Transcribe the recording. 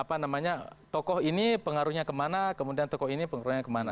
apa namanya tokoh ini pengaruhnya kemana kemudian tokoh ini pengaruhnya kemana